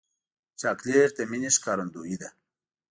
چاکلېټ د مینې ښکارندویي ده.